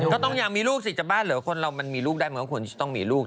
ก็ต้องอยากมีลูกสิจะบ้าเหลือคนเรามันมีลูกได้เหมือนว่าคุณต้องมีลูก